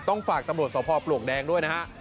ต้องฝากตำรวจสพปลวกแดงด้วยนะฮะ